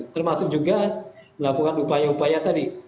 termasuk juga melakukan upaya upaya tadi